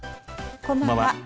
こんばんは。